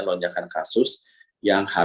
lonjakan kasus yang